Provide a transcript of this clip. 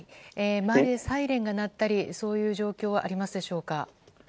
周りでサイレンが鳴ったりそういう状況ありますでしょうか。